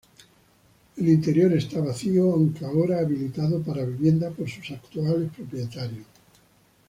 El interior está vacío, aunque ahora habilitado para vivienda por sus actuales propietarios.